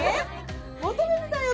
求めてたよ